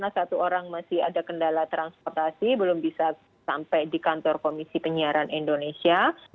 satu orang masih ada kendala transportasi belum bisa sampai di kantor komisi penyiaran indonesia